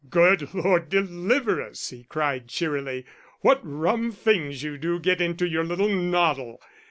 "Good Lord deliver us!" he cried cheerily, "what rum things you do get into your little noddle.